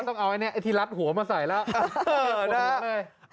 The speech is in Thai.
ก็ต้องเอาไอ้ทีลับหัวมาใส่แล้ว